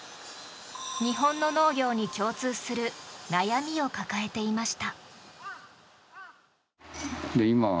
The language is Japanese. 日本の農業に共通する悩みを抱えていました。